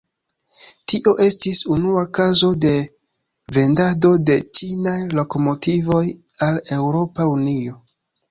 Tio estis unua kazo de vendado de ĉinaj lokomotivoj al Eŭropa Unio.